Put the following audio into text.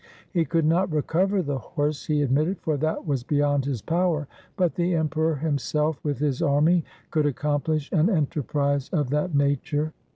He could not recover the horse, he admitted, for that was beyond his power, but the Emperor himself with his army could accomplish an enterprise of that nature.